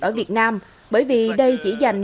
ở việt nam bởi vì đây chỉ dành